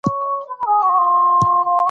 ځمکه د افغان کورنیو د دودونو مهم عنصر دی.